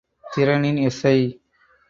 திறனின் எஸ்.ஐ.